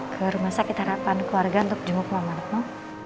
ke rumah sakit harapan keluarga untuk jemput pamretmu